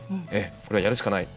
これは、やるしかない。